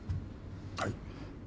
はい。